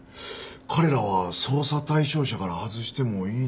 彼らは捜査対象者から外してもいいのでは？